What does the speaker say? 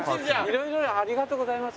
色々ありがとうございます。